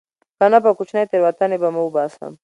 که نه نو په کوچنۍ تېروتنې به مو وباسم